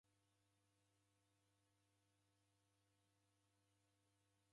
Derengirieghe kukota dhahabu.